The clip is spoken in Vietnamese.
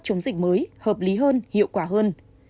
chống dịch mới hợp lý hơn hiệu quả hơn